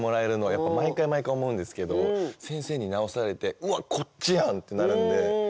やっぱ毎回毎回思うんですけど先生に直されて「うわっこっちやん！」ってなるんで。